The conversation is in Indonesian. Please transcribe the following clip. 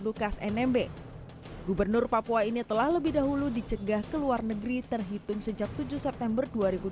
lukas nmb gubernur papua ini telah lebih dahulu dicegah ke luar negeri terhitung sejak tujuh september